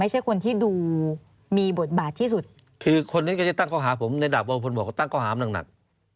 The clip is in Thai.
ไม่ใช่คนที่ดูมีบทบาทที่สุดคือคนนี้ก็จะตั้งเขาหาผมในดับวงพลบอกว่าตั้งเขาหามนักหนัก